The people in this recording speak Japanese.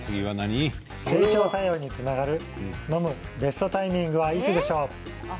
整腸作用につながる飲むベストタイミングはいつでしょう？